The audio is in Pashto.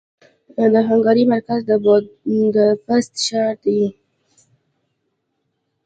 د هنګري مرکز د بوداپست ښار دې.